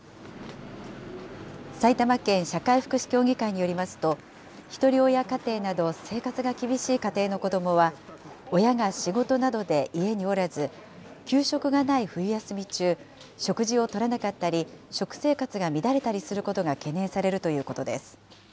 埼玉県社会福祉協議会によりますと、ひとり親家庭など、生活が厳しい家庭の子どもは、親が仕事などで家におらず、給食がない冬休み中、食事をとらなかったり、食生活が乱れたりすることが懸念されるということです。